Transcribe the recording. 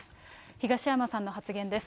東山さんの発言です。